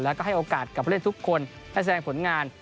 แล้วก็ให้โอกาสกับผู้เล่นทุกคนได้แสดงผลงาน